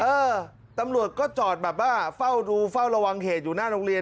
เออตำรวจก็จอดแบบว่าเฝ้าดูเฝ้าระวังเหตุอยู่หน้าโรงเรียน